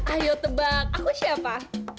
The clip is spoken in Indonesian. ayo tebak aku siapa